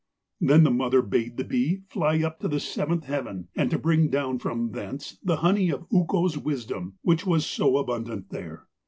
Then the mother bade the bee fly up to the seventh heaven and to bring down from thence the honey of Ukko's wisdom, which was so abundant there.